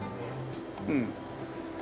うん。